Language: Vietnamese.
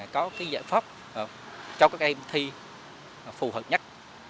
có cái giải pháp cho các em thi phù hợp nhất